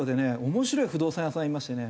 面白い不動産屋さんがいましてね。